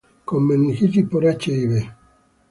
con meningitis por Hib